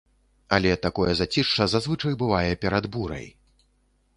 Але такое зацішша, зазвычай, бывае перад бурай.